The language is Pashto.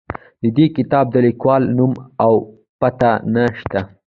د دې کتاب د لیکوال نوم او پته نه شته.